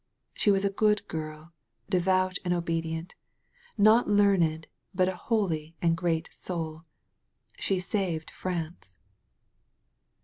She was a good girl, devout and obedient, not learned, but a holy and great soul. She saved France.